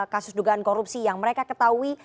kasus dugaan korupsi yang mereka ketahui